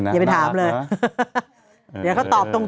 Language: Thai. อย่าไปถามเลยเดี๋ยวเขาตอบตรง